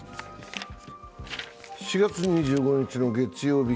４月２５日の月曜日。